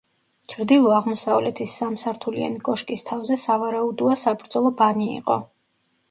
ჩრდილო-აღმოსავლეთის სამსართულიანი კოშკის თავზე, სავარაუდოა, საბრძოლო ბანი იყო.